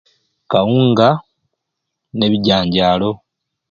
Akawunga ne bijanjalo